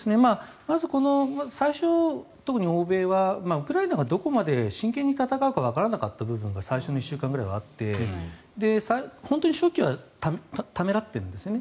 まず最初、特に欧米はウクライナがどこまで真剣に戦うかわからなかった部分が最初の１週間ぐらいはあって本当に初期はためらっていたんですよね